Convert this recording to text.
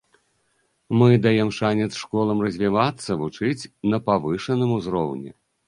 Мы даем шанец школам развівацца, вучыць на павышаным узроўні.